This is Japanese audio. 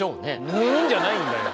ぬんじゃないんだよ。